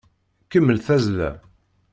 Kemmel tazzla!